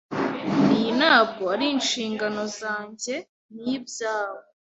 Iyi ntabwo ari inshingano zanjye. Ni ibyawe.